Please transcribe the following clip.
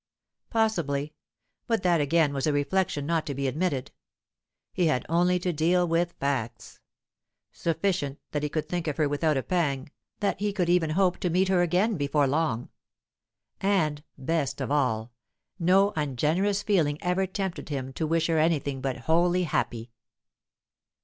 Possibly; but that again was a reflection not to be admitted. He had only to deal with facts. Sufficient that he could think of her without a pang, that he could even hope to meet her again before long. And, best of all, no ungenerous feeling ever tempted him to wish her anything but wholly happy.